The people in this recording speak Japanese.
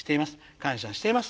感謝しています」。